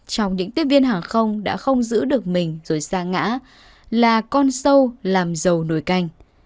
trong những tiếp viên hàng không đã không giữ được mình rồi xa ngã là con sâu làm dầu nồi canh